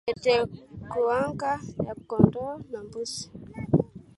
Tetekuwanga ya kondoo na mbuzi